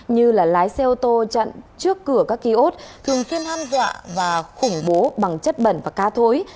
như là lái xe ô tô chặn trước cửa các ký ốt thường xuyên hăn dọa và khủng bố bằng chất bẩn và ca thối